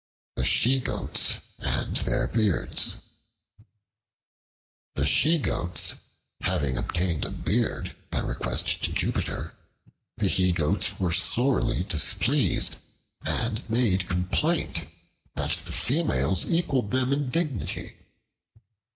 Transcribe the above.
The She Goats and Their Beards THE SHE GOATS having obtained a beard by request to Jupiter, the He Goats were sorely displeased and made complaint that the females equaled them in dignity.